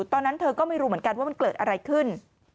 ตอนนั้นเธอก็ไม่รู้เหมือนกันว่ามันเกิดอะไรขึ้น